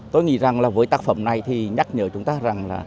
tôi nghĩ rằng với tác phẩm này nhắc nhở chúng ta rằng